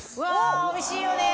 おいしいよね！